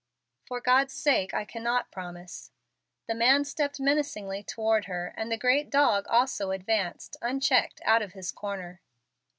"For God's sake I cannot promise." The man stepped menacingly toward her, and the great dog also advanced unchecked out of his corner.